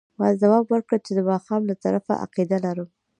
ما ځواب ورکړ چې د ماښام له طرفه عقیده لرم.